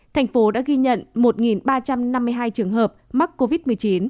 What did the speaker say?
thành phố đã ghi nhận một ba trăm năm mươi hai trường hợp mắc covid một mươi chín